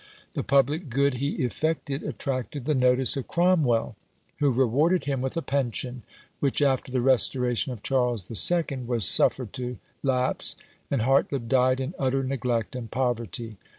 The public good he effected attracted the notice of Cromwell, who rewarded him with a pension, which after the restoration of Charles II. was suffered to lapse, and Hartlib died in utter neglect and poverty.